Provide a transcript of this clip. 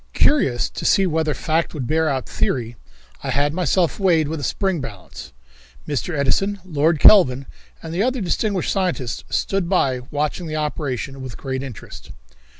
Curious to see whether fact would bear out theory, I had myself weighed with a spring balance. Mr. Edison, Lord Kelvin and the other distinguished scientists stood by watching the operation with great interest.